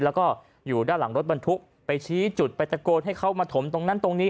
แล้วก็อยู่ด้านหลังรถบรรทุกไปชี้จุดไปตะโกนให้เขามาถมตรงนั้นตรงนี้